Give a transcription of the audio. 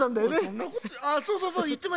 そんなあそうそういってました。